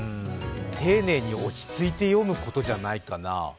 丁寧に落ち着いて読むことじゃないかな。